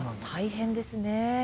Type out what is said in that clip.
大変ですね。